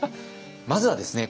まずはですね